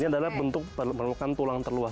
ini adalah bentuk pelukan tulang terluas